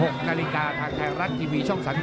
๖นาฬิกาทางไทยรัฐทีวีช่อง๓๒